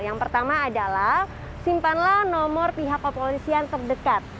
yang pertama adalah simpanlah nomor pihak kepolisian terdekat